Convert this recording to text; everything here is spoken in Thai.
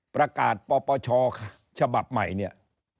ประกาศปปชฉบับใหม่เนี่ย